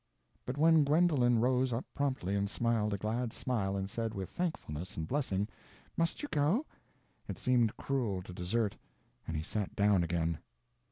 But when Gwendolen rose up promptly and smiled a glad smile and said with thankfulness and blessing,—"Must you go?" it seemed cruel to desert, and he sat down again.